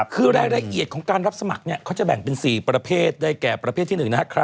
คือรายละเอียดของการรับสมัครเขาจะแบ่งเป็น๔ประเภทได้แก่ประเภทที่๑นะครับ